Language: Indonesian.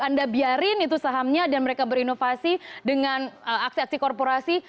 anda biarin itu sahamnya dan mereka berinovasi dengan aksi aksi korporasi